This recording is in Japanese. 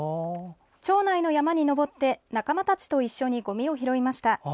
町内の山に登って仲間たちと一緒にごみを拾いました。